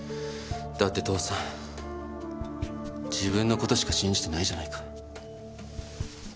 だって父さん自分の事しか信じてないじゃないか。